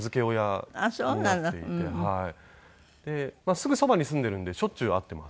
すぐそばに住んでいるんでしょっちゅう会っています。